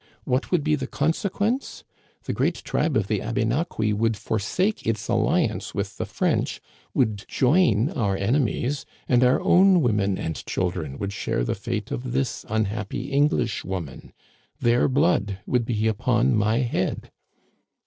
What would be the consequence ? The great tribe of the Abénaquis would forsake its alliance with the French, would join our enemies, and our own women and children would share the fate of this unhappy Eng lish woman. Their blood would be upon my head.'